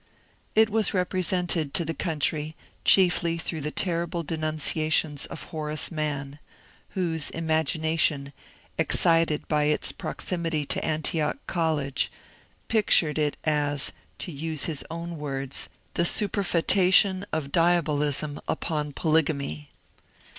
It was represented to the country chiefly through the terrible denunciations of Horace Mann, whose imagination, excited by its proximity to Antioch College, pictured it as, to use his own words, ^' the superfcetation of diabolism upon polygamy."